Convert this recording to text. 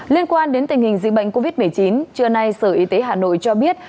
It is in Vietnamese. liên quan đến tình hình dịch bệnh covid một mươi chín trưa nay sở y tế hà nội cho biết